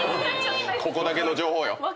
ここだけの情報よ。